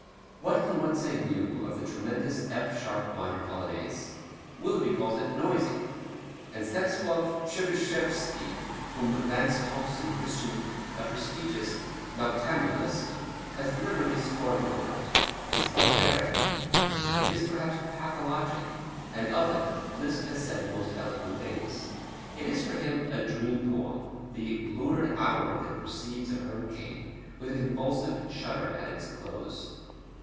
What can one say new of the tremendous F sharp minor Polonaise? Willeby calls it noisy! And Stanislaw Przybyszewski whom Vance Thompson christened a prestidigious noctambulist has literally stormed over it. It is barbaric, it is perhaps pathologic, and of it Liszt has said most eloquent things. It is for him a dream poem, the "lurid hour that precedes a hurricane" with a "convulsive shudder at the close."